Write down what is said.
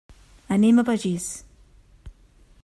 Anem a Begís.